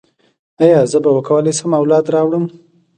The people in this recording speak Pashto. ایا زه به وکولی شم اولاد راوړم؟